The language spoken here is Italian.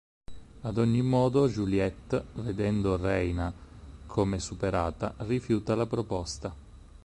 Ad ogni modo Juliette, vedendo Rayna come superata, rifiuta la proposta.